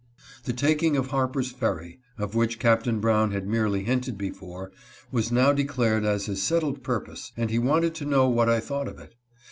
The taking of Harper's Ferry, of which Captain Brown had merely hinted before, was now declared as his settled purpose, and he wanted to know what I thought of it.